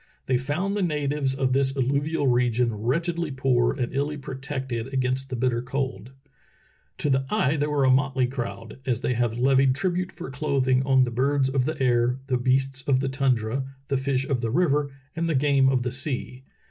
They found the natives of this alluvial region wretchedly poor and illy protected against the bitter cold. To the eye they were a motley crowd, as they had levied tribute for clothing on the birds of the air, the beasts of the tundra, the fish of the river, and the game of the sea.